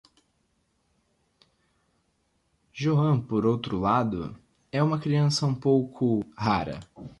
Joan, por outro lado, é uma criança um pouco "rara".